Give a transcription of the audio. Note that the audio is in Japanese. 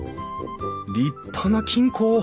立派な金庫。